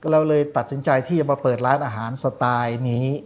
เราเลยตัดสินใจที่จะมาเปิดร้านอาหารสไตล์นี้